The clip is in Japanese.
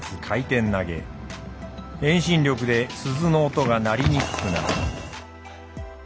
遠心力で鈴の音が鳴りにくくなる。